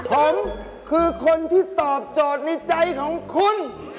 ผมคือคนที่ตอบโจทย์ในใจของคุณ